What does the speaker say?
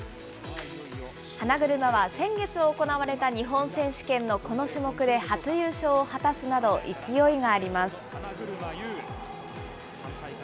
花車は、先月行われた日本選手権のこの種目で初優勝を果たすなど、勢いがあります。